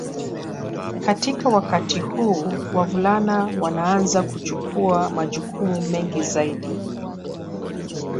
Katika wakati huu wavulana wanaanza kuchukua majukumu mengi zaidi